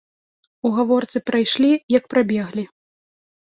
У гаворцы прайшлі, як прабеглі.